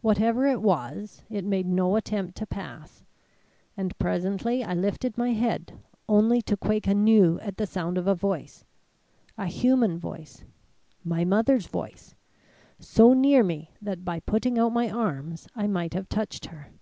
"Whatever it was, it made no attempt to pass, and presently I lifted my head only to quake anew at the sound of a voice a human voice my mother's voice so near me that by putting out my arms I might have touched her.